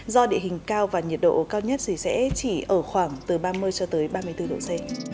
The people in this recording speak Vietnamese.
do địa hình cao và nhiệt độ cao nhất thì sẽ chỉ ở khoảng từ ba mươi ba mươi bốn độ c